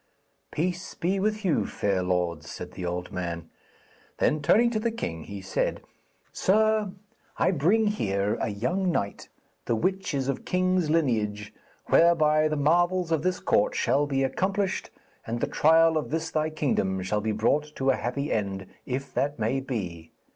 'Peace be with you, fair lords,' said the old man. Then turning to the king he said: 'Sir, I bring here a young knight, the which is of king's lineage, whereby the marvels of this court shall be accomplished, and the trial of this thy kingdom shall be brought to a happy end, if that may be.